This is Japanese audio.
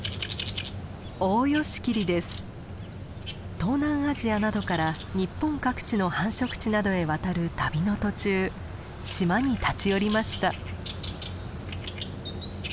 東南アジアなどから日本各地の繁殖地などへ渡る旅の途中島に立ち寄りました。